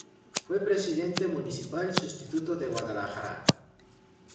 Fue Presidente Municipal sustituto de Guadalajara.